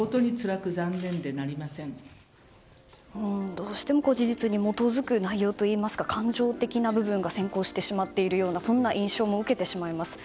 どうしても事実に基づく内容といいますか感情的な部分が先行してしまっているようなそんな印象も受けてしまいます。